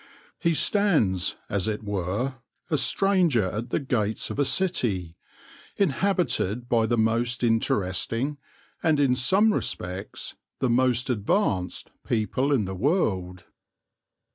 He stands, as it were, a stranger at the gates of a city, inhabited by the most interesting, and in some respects the most advanced, people in the world.